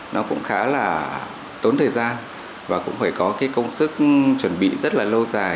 nó cũng khá là tốn thời gian và cũng phải có cái công sức chuẩn bị rất là lâu dài